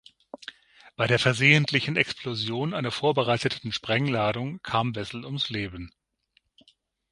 Bei der versehentlichen Explosion einer vorbereiteten Sprengladung kam Wessel ums Leben.